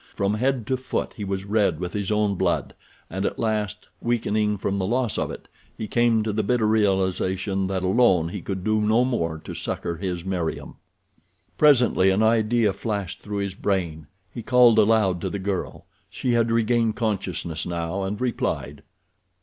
From head to foot he was red with his own blood, and at last, weakening from the loss of it, he came to the bitter realization that alone he could do no more to succor his Meriem. Presently an idea flashed through his brain. He called aloud to the girl. She had regained consciousness now and replied.